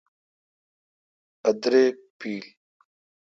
ا دریک پیل۔